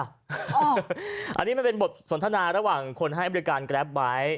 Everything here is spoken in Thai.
อันนี้มันเป็นบทสนทนาระหว่างคนให้บริการแกรปไบท์